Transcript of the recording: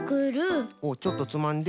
おっちょっとつまんで。